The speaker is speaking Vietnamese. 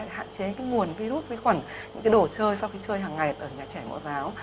để hạn chế cái nguồn virus vi khuẩn những cái đồ chơi sau khi chơi hàng ngày ở nhà trẻ ngoại giáo